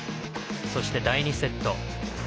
そして第２セット。